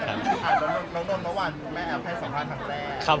โป๊ะโป๊ะโป๊ะโป๊ะโป๊ะ